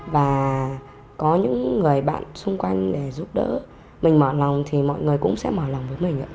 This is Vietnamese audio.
và có những người bạn xung quanh để giúp đỡ mình mở lòng thì mọi người cũng sẽ mở lòng với mình ạ